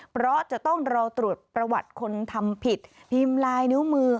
เพราะจะต้องรอตรวจประวัติคนทำผิดพิมพ์ลายนิ้วมือ